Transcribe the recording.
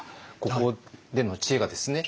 ここでの知恵がですね